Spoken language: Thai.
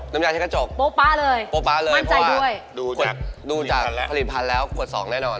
น้ำยาเช็ดกระจกโป๊ปป๊าเลยมั่นใจด้วยดูจากผลิตพันธุ์แล้วขวด๒แน่นอน